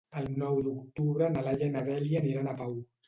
El nou d'octubre na Laia i na Dèlia aniran a Pau.